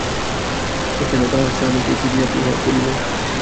সে যেন তাহার স্বামীকে ফিরিয়া বিবাহ করিল।